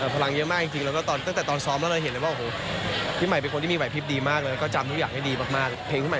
พลังเยอะมากจริงแล้วก็ตั้งแต่ตอนซ้อมแล้วเราเห็นเลยว่าโอ้โหพี่ใหม่เป็นคนที่มีไหวพลิบดีมากแล้วก็จำทุกอย่างให้ดีมากเพลงพี่ใหม่